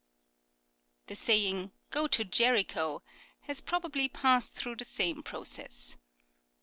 The saying " Go to Jericho !" has probably passed through the same process.